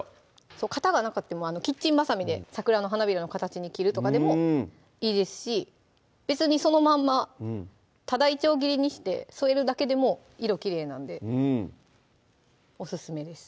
型がなかってもキッチンばさみで桜の花びらの形に切るとかでもいいですし別にそのまんまただいちょう切りにして添えるだけでも色きれいなんでオススメです